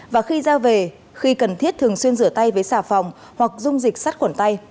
và khi ra về khi cần thiết thường xuyên rửa tay với xà phòng hoặc dung dịch sát khuẩn tay